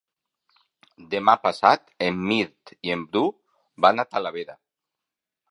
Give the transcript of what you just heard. Demà passat en Mirt i en Bru van a Talavera.